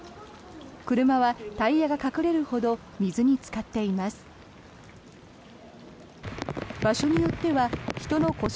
車はタイヤが隠れるほど水につかっています。